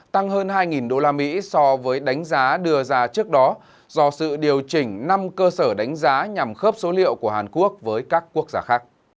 tăng hơn hai usd so với đánh giá đưa ra trước đó do sự điều chỉnh năm cơ sở đánh giá nhằm khớp số liệu của hàn quốc với các quốc gia khác